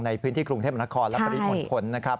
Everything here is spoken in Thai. ในพื้นที่กรุงเทพมนาคอและปริหลขน